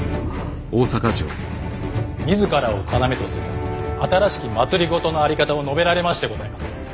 自らを要とする新しき政の在り方を述べられましてございます。